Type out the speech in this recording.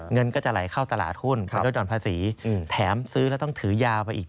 เงินก็จะไหลเข้าตลาดหุ้นไปลดหย่อนภาษีแถมซื้อแล้วต้องถือยาวไปอีก